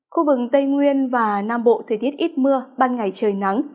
khu vực tây nguyên và nam bộ thời tiết ít mưa ban ngày trời nắng